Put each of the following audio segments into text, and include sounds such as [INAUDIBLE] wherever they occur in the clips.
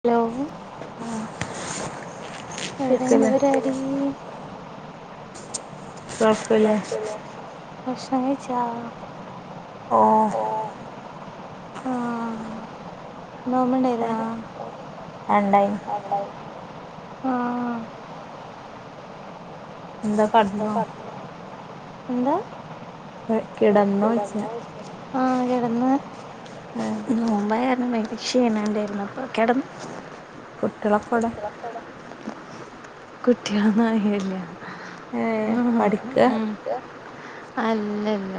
Hello എവിടെ എന്താ പറരാ പ്രഷണച്ച ഓ ആഹ നോമണ്ടായിര ആണ്ടായി ആഹ എന്താ കദണം എന്താ? [UNINTELLIGIBLE] ആഹ് കിടന്ന് നോമ്പായകാ രണം ഭയ്ങ്കര ക്ഷീണെണ്ടായിരുന്ന് അപ്പ കെടന്ന് കുട്ട്യളക്കെവിടെ കുട്ട്യളൊന്നും ആയില്ല ഇം അല്ലല്ല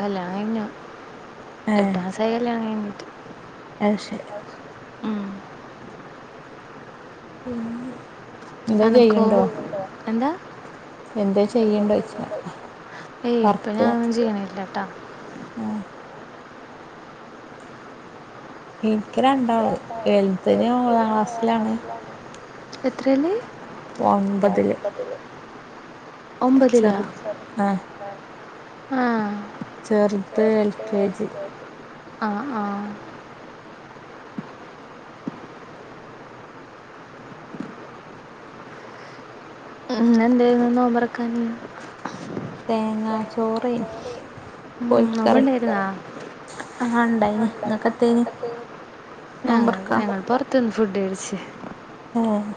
കല്യാണം കഴിഞ്ഞു. എട്ടു മാസായി കല്യാണം കഴിഞ്ഞ ട്ട് പക്ഷെ ഉം [UNINTELLIGIBLE] അനക്കോ എന്താ? ഏയ് ഇപ്പ ഞാനൊന്നും ചെയ്യണില്ലാട്ടാ എനിക്ക് രണ്ടാള് ഏൽത്തിന് [UNINTELLIGIBLE] ക്ലാസ്സിലാണ് എത്രയില് ഒൻപതില് ഒമ്പതിലാ ആഹ് ചെറുത് എൽ കെ ജി ആഹ് ആഹ് ഉം എന്തേന്ന് നോമ്പെറക്കാന് തേങ്ങാ ചോറ്. ഉം നോമ്പെണ്ടേരുന്നാ ഞങ്ങള് ഞങ്ങള് പൊറത്തിന്ന് ഫുഡ് കഴി ച്ച് ആഹ്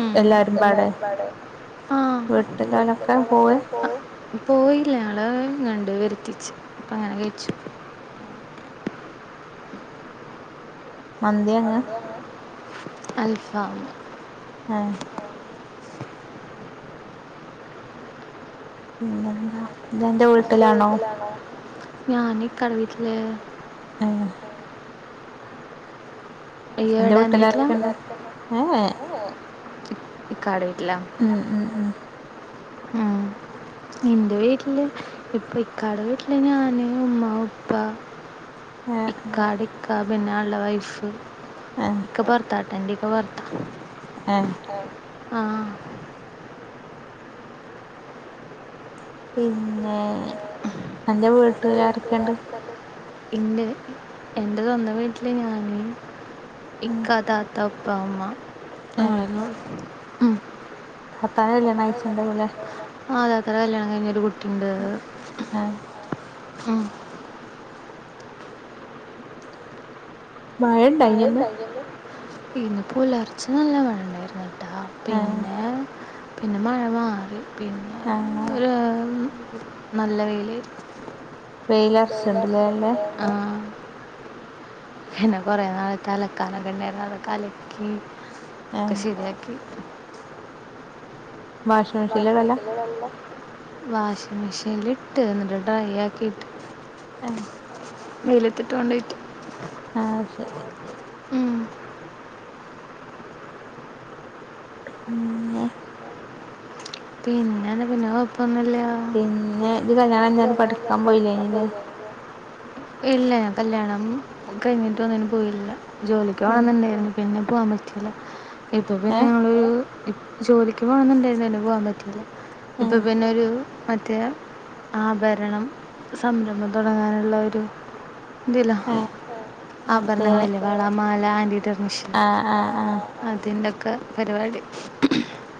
ഉം എല്ലാരുംപാടെ ആഹ് പോയില്ലാ ണ്ട് ഇങ്ങാണ്ട് വരുത്തിച്ചു അങ്ങനെ കഴിച്ചു അൽഫം പിന്നെന്താ ന്താ എന്റെ വീട്ടിലാണോ? ഞാന് ക്കാടെ വീട്ട്ല് ആഹ് അയ്യോടാന്റെറ വീട്ടിലാ ഇക്കാടെ വീ ഉം ഉം ഉം ഉം നിന്റെ വീട്ടില് ഇപ്പൊ ഇക്കാടെ വീട്ടില് ഞാന് ഉമ്മ ഉപ്പ ഇക്കാടിക്ക പിന്നെ അള്ള വൈഫ് ഇക്ക പൊർതാ എന്റെക്ക വൊർത്ത ഏഹ് ആഹ് പിന്നെ എന്റെ വീട്ടുകാരൊക്കെണ്ട് ഇൻ്റെ എൻ്റെതൊന്ത വീട്ടിലെന്നെ ഞാന് ഇക്ക താത്ത ഉ പ്പ ഉമ്മ നങ്ങളാര്ന്നു ഉം അത എത്ര കല്യാണം കഴിഞ്ഞ ഒരു കുട്ടിണ്ട്. ഉം മഴ ഇന്ന് പുലർച്ച നല്ല മഴ ണ്ടായിരുന്നു. ട്ടാ പിന്നെ പിന്നെ മഴ മാറി. പിന്നെ ഒരു നല്ല വെയില്. ആഹ് പിന്നെ കൊറെേ നാളറ്റ് അലക്കാനൊക്കെണ്ടാര്ന്നു. അതൊക്കെ അലക്കി. [UNINTELLIGIBLE] വാഷിം മെഷീനില്ട്ട് എന്നിട്ട് ഡ്രൈ ആക്കിട്ട് അഹ് വെയ്ലത്ത്ട്ട് കൊണ്ടയ്ട്ട് ആ ശെരി [INAUDIBLE] [UNINTELLIGIBLE] [UNINTELLIGIBLE] ഇല്ല ഞാൻ കല്യാണം കഴിഞ്ഞിട്ട് ഒന്നിനും പോയില്ല ജോലിക്ക് പോണംന്ന് ണ്ടേര്ന്നു പിന്നെ പോവാൻ പറ്റില്ല ഇപ്പ പിന്നെ ഞള് ജോലിക്ക് പോകണംന്ന്ണ്ടേര്ന്നു പോവാൻ പറ്റില്ല ഇപ്പൊ പിന്നൊരു പ [UNINTELLIGIBLE] ആഭരണം സംരംഭം തൊടങ്ങാനുള്ളൊരു [UNINTELLIGIBLE] ആഭരണങ്ങളില്ലേ വള, മാല, ആന്റി അതിന്റൊക്കെ പരിപാടി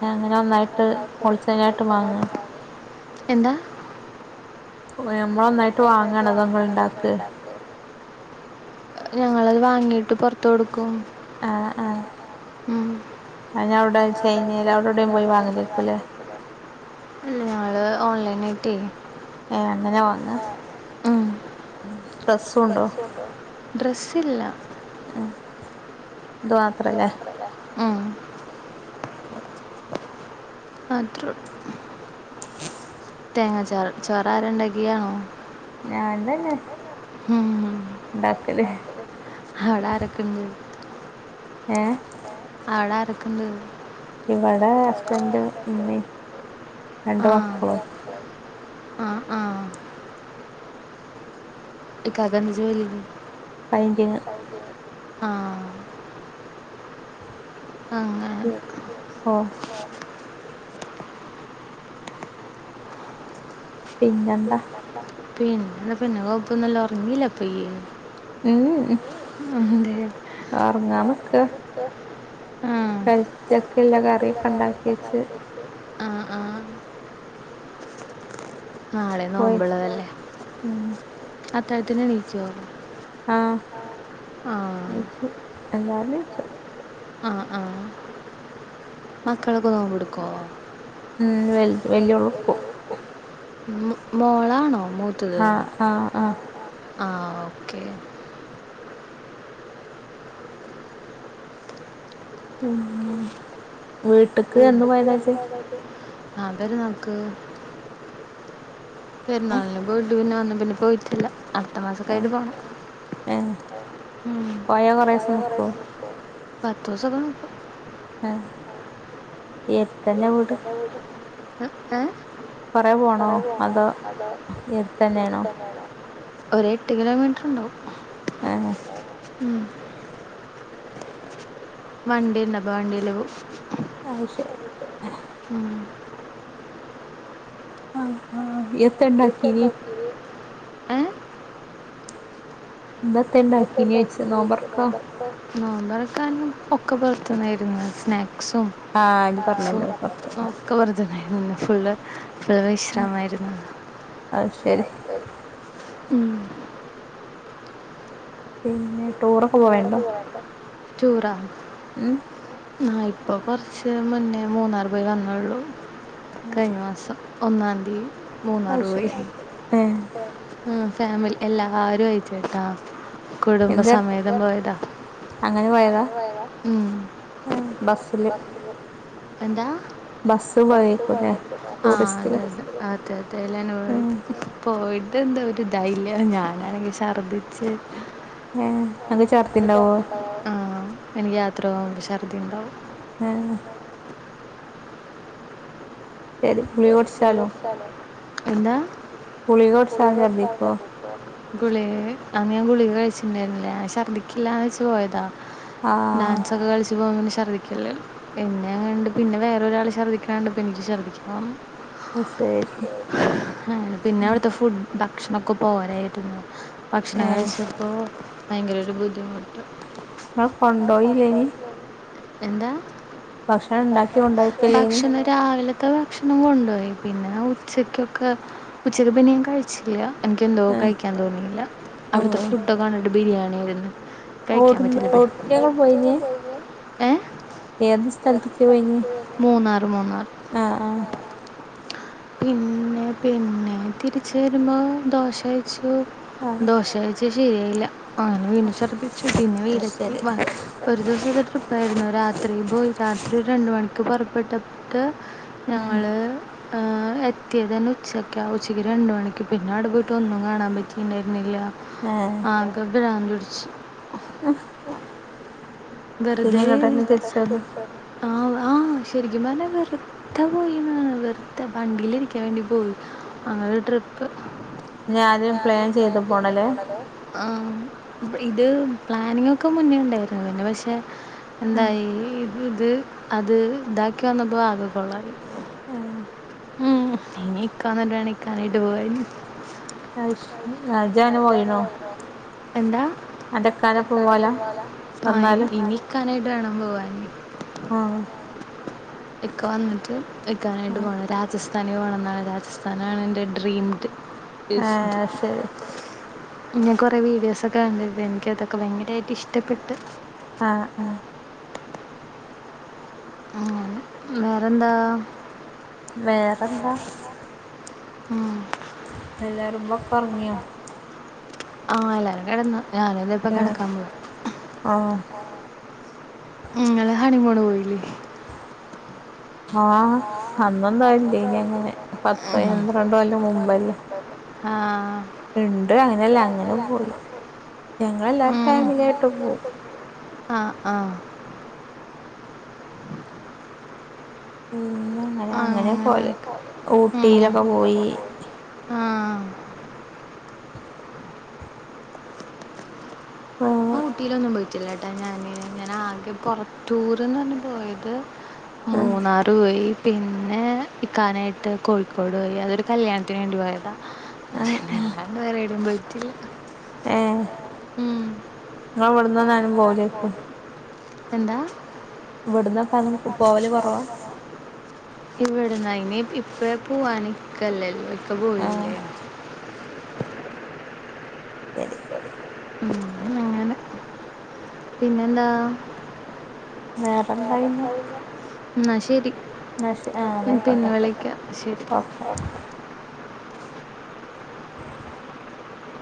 അങ്ങനെ ഒന്നായിട്ട് ഹോൾസെയ്ലായിട്ട് മാങ്ങേ എന്താ ഓ ഞമ്മളൊന്നായിട്ട് വാങ്ങാണോ അതോ ങ്ങള് ണ്ടാക്കേ ഞങ്ങളത് വാങ്ങിട്ട് പൊർത്ത് കൊടുക്കും ആ ആ [UNINTELLIGIBLE] ല്ല [UNINTELLIGIBLE] ഓൺലൈനായിട്ടെ ഏ അങ്ങനെ വാങ്ങ ഡ്രസ്സുണ്ടോ തില്ല അ ഉം അത്രൊ തേങ്ങാ ചോറ് ചോറാണ്ടാക്കിയാണോ ഞാൻതെന്നെ ഉം അവടെ ആരക്ക്ണ്ട് ഏഹ് അവടെ ആരക്ക്ണ്ട് ഇവടെ ഹസ്ബൻഡ് ഉമ്മീം രണ്ടു മക്കളും ആഹ് ആഹ് ഇക്കാക്ക് ന്ത് ജോലി [UNINTELLIGIBLE] പയിൻറ്റിങ് ആഹ്‌ അങ്ങനെ [INAUDIBLE] പിന്നെന്താ പിന്നെ പിന്നെ കൊപ്പന്നില്ലാ ഒറങ്ങില്ലേപ്പാ ഇയ്യ് [UNINTELLIGIBLE] ആറങ്ങാനിക്കാ [UNINTELLIGIBLE] ഇല്ല കറിയൊക്കെ ഒണ്ടാക്കി വെച്ച് ആഹ് ആഹ് നാളെ നോമ്പ്ള്ളതല്ലേ അത്താഴത്തിനെണീച്ചുവോ ആഹ് ണീച്ചും എല്ലാ [UNINTELLIGIBLE] ആഹ് ആഹ് മക്കളൊക്കെ നോമ്പ് എടുക്കുവോ മ്മ് വൽത് വല്യോള്ക്കും മ്മ് മോളാണോ ആഹ് ആഹ് ആഹ് ആഹ് ഓക്കെ പിന്നെ വീട്ട്ക്ക് എന്ന് പോയതാ ഇജ് ഞാ പെരുന്നാൾക്ക് പെരുന്നാളിന് പോയിട്ടു പിന്നെ വന്നി പിന്നെ പോയിട്ട്ല്ല അടുത്ത മാസക്കായിട്ട് പോണം പത്തോസക്കെ നിക്കും അ യ്യോ [INAUDIBLE] ഉ ഏ കൊറെ പോണോ അതോ ഈ അടുത്ത് തന്നെയാണോ. ഒര് എട്ട് കിലോമീറ്റർ ഉണ്ടാവും. ആ ഉം വണ്ടിണ്ട്‌ അപ്പ വണ്ടീലവു ആ ശരി ഉം ആ ആ എത്ത ഉണ്ടാക്കിന് [INAUDIBLE] ത്താനും ഒക്കെ പുർത്തുന്നായിരുന്നു സ്നാക് സൊ സൊ ഒക്കെ വെറുതനെയായിരുന്നു ഇന്ന് ഫുൾ പ്പൾ വിശ്രമായിരുന്നു. ഉം പിന്നെ ടൂറൊക്കെ പോവേണ്ടോ റ്റൂറാ ഉം ന ഇപ്പ കുറച്ച് മുന്നേ മൂന്നാറു പോയി വന്നേള്ളു കഴിഞ്ഞ മാസം ഒന്നാം തീ മൂന്നാറു പോയി ഉം ഫാമിലി എല്ലാരും അയച്ചു കേട്ടാ കുടുംബ സം സമേതം പോയതാ ഉ എന്താ ആ അതെതെ അതെ അതെ എല്ലാൻ പോയിത് പോയി ഇത് എന്താ ഒരു ദൈല്യ ഞാനാണെങ്കിൽ ശർദ്ദിച്ച് ങ് ആ എനിക്ക് യാത്ര പോകുമ്പം ശർദ്ദി ഉണ്ടാവും. ആഹ് ഏതിൽ ഗുളിയോടിച്ചാലോ എന്താ? ഗുളിക കുടിച്ചാലും ശർദ്ധിക്കുവോ ഗുളിക അന്ന് ഞാൻ ഗുളിക കഴിച്ചിണ്ടായിരുന്നില്ല ഞാൻ ഛർദിക്കില്ലാന്ന് വെച്ച് പോയതാ ഡാൻസൊക്കെ കളിച്ചു പോ [UNINTELLIGIBLE] ശർദ്ദിക്കല്ലേ പിന്നെങ്ങണ്ട് പിന്നെ വേറൊരാള് ശർദ്ദിക്കണ കണ്ടപ്പോ എനിക്ക് ശർദ്ദിക്കാൻ വന്നു. ഹാ [UNINTELLIGIBLE] പിന്നെ അവിടത്തെ ഫുഡ്ഡാ ഭക്ഷണൊക്കെ പോരായിരുന്നു ഭക്ഷണം കഴിച്ചപ്പോൾ ഭയങ്കര ഒരു ബുദ്ധിമുട്ട് നിങ്ങ കൊണ്ടോയില്ലേനീ? ഭക്ഷണം രാവിലെ ഇത്ത ഭക്ഷണം കൊണ്ടോയി പിന്നെ ഉച്ചയ്ക്കൊക്കെ ഉച്ചയ്ക്ക് പിന്നെ ഞാൻ കഴിച്ചില്ല്യ. എനിക്കെന്തോ കഴിക്കാൻ തോന്നിയില്ല. അവിടുത്തെ ഫുഡൊക്കെ കണ്ടിട്ട് ബിരിയാണി കഴിക്കാൻ പറ്റില്ലപ്പെ ഏത് സ്ഥലത്തൊക്ക പോയിനി ആഹ് ആഹ് പിന്നെ പിന്നെ തിരിച്ച് വരുമ്പോ ദോശ കഴിച്ചു. ദോശ കഴിച്ചത് ശരിയായില്ല അങ്ങനെ വീണ്ടും ശർദ്ദിച്ചു, പിന്നെ വീടെത്തി. ഒരു ദിവസത്തെ ട്രിപ്പായിരുന്നു രാത് ത്രിം പോയി രാത്രി ഒര് രണ്ട് മണിക്ക് പുറപ്പെട്ടിട്ട് ഞങ്ങള് ഏഹ് എത്തിയതന്നെ ഉച്ചയ്ക്കാ ഉച്ചയ്ക്ക് രണ്ട് മണിക്ക് പിന്നെ അവടെ പോയിട്ട് ഒന്നും കാണാൻ പറ്റീണ്ടായിരുന്നില്ല ആകെ ഭ്രാന്തുടിച്ചു. വെറുതേ ആ ആഹ് ശരിക്കും പറഞ്ഞാ വെറ്തെ പോയീന്ന് വെറ്തെ വണ്ടിയിലിരിക്കാൻ വേണ്ടി പോയി. അഹ് ട്രിപ്പ് ഞാനും പ്ലാൻ ചെയ്ത [UNINTELLIGIBLE] ഇബ് ഇത് പ്ലാനിങ് ഒക്കെ മുന്നേ ഉണ്ടായിരുന്നു പിന്നെ പക്ഷേ എന്തായി ഇത് അത് ഇതാക്കി വന്നപ്പോ ആകെ കൊളായി. ഏഹ് ഉം ഇനി ഇക്കാ വന്നിട്ട് വേണം ഇക്കാനേയിട്ട് പോവാൻ എന്താ? ആ ഇനി ഇക്കാനായിട്ട് വേണം പോവാന് ആ ഇക്ക വന്നിട്ട് ഇക്കാനായിട്ട് പോണം രാജസ് സ്ഥാനിൽ വളർന്നതാ രാജസ്ഥാനാണ് എൻ്റെ ഡ്രീംഡ് ആ ശരി ഇന്ന് കൊറേ വീഡിയോസൊക്കെ കണ്ടപ്പൊ എനിക്ക് അതൊക്കെ ഭയങ്കരായിട്ട് ഇഷ്ടപ്പെട്ട്. ആഹ് ആഹ് ആ വേറെന്താ? വേറെന്താ? ഉം. എല്ലാരും [UNINTELLIGIBLE] ഒറങ്ങിയൊ ആഹ് എല്ലാരും കെടന്നു ഞാനും ഇതാപ്പോ കെടക്കാൻ പോവാ ഉം ഇങ്ങള് ഹണിമൂണ് പോയില്ലേ? ആഹ് അന്നൊന്താത് ല്ലേനി അങ്ങനെ പത്ത് പന്ത്രണ്ട് കൊല്ലം മുമ്പല്ലേ. ആഹ് ഉം ആഹ് ആഹ് അങ്ങനൊക്കെ ഉം ആഹ് ഊട്ടിയിലൊന്നും പോയിട്ടില്ല ട്ടാ ഞാന്. ഞാനാകെ പൊറ ടൂറെന്ന് പറഞ്ഞ് പോയത് മൂന്നാർ പോയി. പിന്നെ ഇക്കാനായിട്ട് കോഴിക്കോട് പോയി അതൊരു കല്യാണത്തിന് വേണ്ടി [UNINTELLIGIBLE] ആ ആ വരു വൈട്ടിൽ ഉം നിങ്ങ ഇവിടുന്ന്ന്നാനും പോവലേക്ക എന്താ ഇവിടുന്ന ഇവിടന്ന് ഇനി സേ പോൂവാണിക്കല്ലല്ല ഒക്ക പോോ ഇല്ല ഉ അങ്ങനെ പിന്നെ എന്താ വേറെന്താ കഞ്ഞ എന്നൽ ശരി പിന്നെ വിളിക്കാം ശരി